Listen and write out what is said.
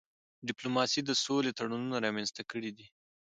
ډيپلوماسي د سولې تړونونه رامنځته کړي دي.